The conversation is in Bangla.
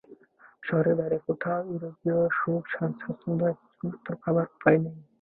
শহরের বাইরে কোথাও ইউরোপীয় সুখ-স্বাচ্ছন্দ্য কিছুমাত্র পাবার উপায় নেই।